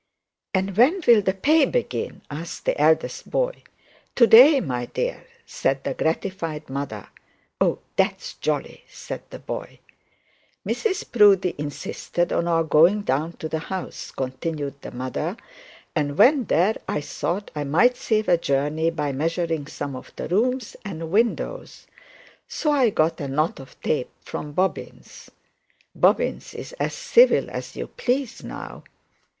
'And when will the pay begin?' asked the eldest boy. 'To day, my dear,' said the gratified mother. 'Oh, that is jolly,' said the boy. 'Mrs Proudie insisted on our going down to the house,' continued the mother; 'and when there I thought I might save a journey by measuring some of the rooms and windows; so I got a knot of tape from Bobbins. Bobbins is as civil as you please, now.'